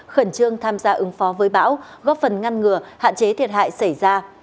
khẩn trương tham gia ứng phó với bão góp phần ngăn ngừa hạn chế thiệt hại xảy ra